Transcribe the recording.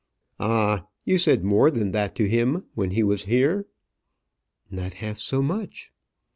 "Ah! you said more than that to him when he was here." "Not half so much."